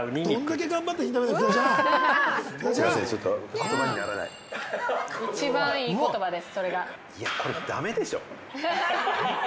それが一番いい言葉です。